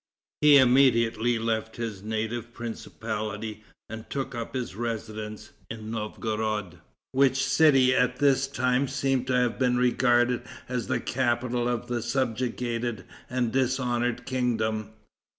He immediately left his native principality and took up his residence in Novgorod, which city at this time seems to have been regarded as the capital of the subjugated and dishonored kingdom.